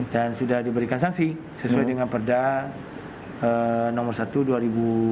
dan sudah diberikan sanksi sesuai dengan perda nomor satu dua ribu dua puluh satu